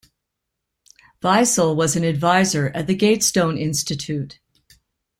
Wiesel was an adviser at the Gatestone Institute.